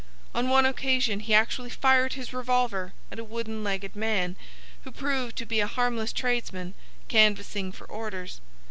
On one occasion he actually fired his revolver at a wooden legged man, who proved to be a harmless tradesman canvassing for orders.